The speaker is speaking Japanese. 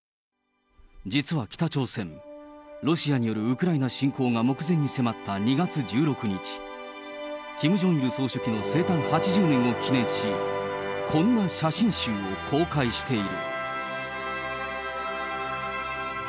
実は北朝鮮、ロシアによるウクライナ侵攻が目前に迫った２月１６日、キム・ジョンイル総書記の生誕８０年を記念し、こんな写真集を公開している。